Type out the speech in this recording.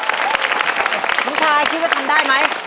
ลูกชายคิดว่าทำได้ไหม